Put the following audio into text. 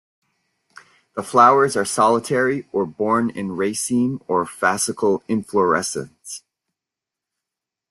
The flowers are solitary or borne in raceme or fascicle inflorescences.